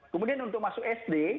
kemudian untuk masuk sd